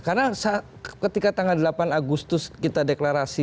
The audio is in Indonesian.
karena ketika tanggal delapan agustus kita deklarasi